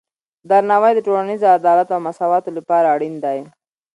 درناوی د ټولنیز عدالت او مساواتو لپاره اړین دی.